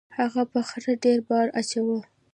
هغه په خره ډیر بار اچاوه.